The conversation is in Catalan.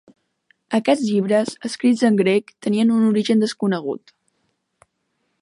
Aquests llibres, escrits en grec, tenien un origen desconegut.